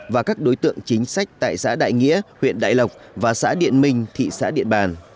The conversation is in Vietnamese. và các đối tượng chính sách tại xã đại nghĩa huyện đại lộc và xã điện minh thị xã điện bàn